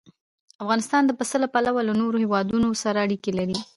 افغانستان د پسه له پلوه له نورو هېوادونو سره اړیکې لري.